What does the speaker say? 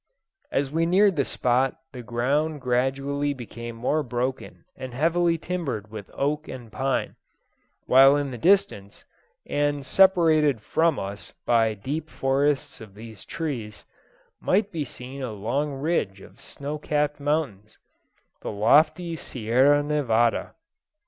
As we neared the spot the ground gradually became more broken and heavily timbered with oak and pine, while in the distance, and separated from us by deep forests of these trees, might be seen a long ridge of snow capped mountains the lofty Sierra Nevada.